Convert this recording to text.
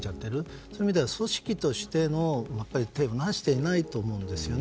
そういう意味では組織としてのていをなしていないと思いますね。